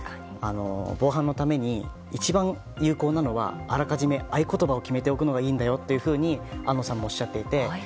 防犯のために一番有効なのはあらかじめ合言葉を決めておくのがいいんだよと安野さんもおっしゃっていて。